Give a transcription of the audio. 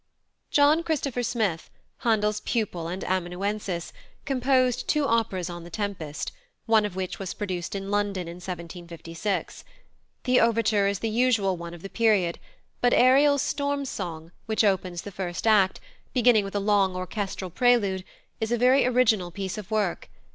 +John Christopher Smith+, Handel's pupil and amanuensis, composed two operas on The Tempest, one of which was produced in London in 1756. The overture is the usual one of the period; but Ariel's storm song, which opens the first act, beginning with a long orchestral prelude, is a very original piece of work.